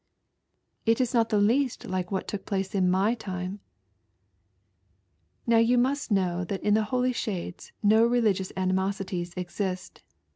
"It is not the least like what took place in my time !" Now you must know that in the Holy Shades no religions animosities exist.